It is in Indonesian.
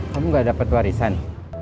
kamu gak dapet warisan